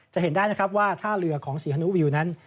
จะเห็นได้นะครับว่าท่าเรือของศรีฮานุวิวนั้น